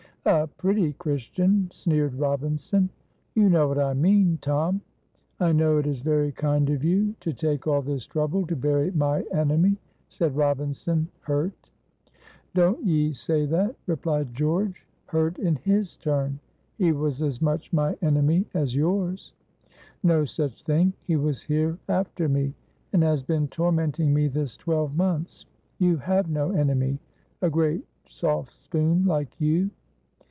"A pretty Christian," sneered Robinson. "You know what I mean, Tom?" "I know it is very kind of you to take all this trouble to bury my enemy," said Robinson, hurt. "Don't ye say that," replied George, hurt in his turn. "He was as much my enemy as yours." "No such thing. He was here after me, and has been tormenting me this twelve months. You have no enemy, a great soft spoon like you."